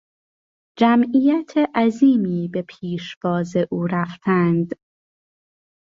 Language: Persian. جمعیت عظیمی به پیشواز او رفتند.